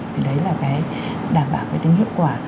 thì đấy là cái đảm bảo cái tính hiệu quả